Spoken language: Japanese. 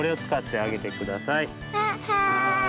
あっはい。